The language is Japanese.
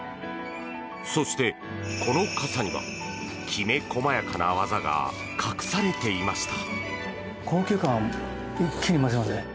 そして、この傘にはきめ細やかな技が隠されていました。